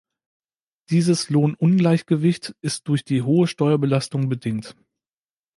Dieses Lohnungleichgewicht ist durch die hohe Steuerbelastung bedingt.